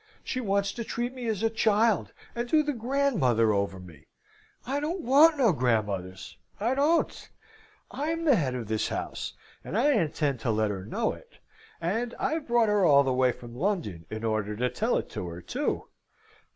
She wants to treat me as a child, and do the grandmother over me. I don't want no grandmothers, I don't. I'm the head of this house, and I intend to let her know it. And I've brought her all the way from London in order to tell it her, too!